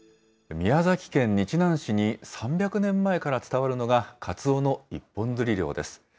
宮崎県日南市に３００年前から伝わるのが、かつおの一本釣り漁です。